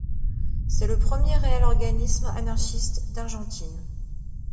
C'est le premier réel organisme anarchiste d'Argentine.